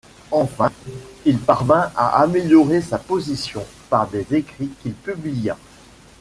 Enfin, il parvint à améliorer sa position par des écrits qu'il publia.